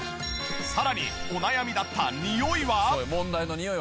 さらにお悩みだったニオイは？